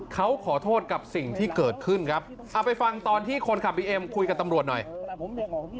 เขาขอโทษกับสิ่งที่เกิดขึ้นครับเอาไปฟังตอนที่คนขับบีเอ็มคุยกับตำรวจหน่อย